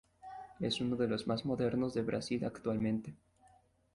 Es uno de los más modernos de Brasil actualmente.